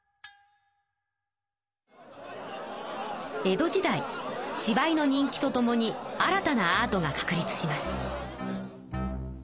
江戸時代芝居の人気とともに新たなアートが確立します。